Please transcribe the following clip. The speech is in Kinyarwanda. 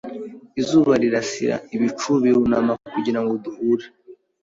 izuba rirasira ibicu birunama Kugira ngo duhure